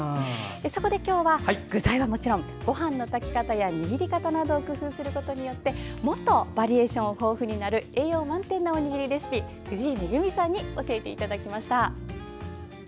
そこで、今日は具材はもちろんごはんの炊き方や握り方などを工夫することによってもっとバリエーション豊富になる栄養満点なおにぎりレシピ藤井恵さんに教えていただきました。